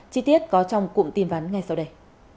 chi tiết có trong cụm tin vắn ngay sau đây